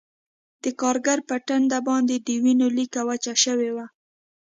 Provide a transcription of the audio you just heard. د کارګر په ټنډه باندې د وینو لیکه وچه شوې وه